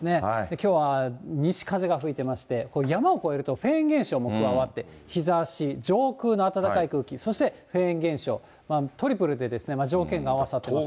きょうは西風が吹いてまして、山を越えるとフェーン現象も加わって、日ざし、上空の暖かい空気、そしてフェーン現象、トリプルで条件が合わさっています。